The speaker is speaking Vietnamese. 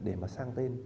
để mà sang tên